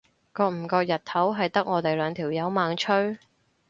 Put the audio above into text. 覺唔覺日頭係得我哋兩條友猛吹？